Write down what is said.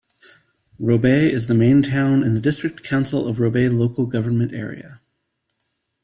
Robe is the main town in the District Council of Robe local government area.